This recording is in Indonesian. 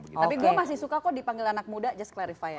tapi gue masih suka kok dipanggil anak muda just clarify ya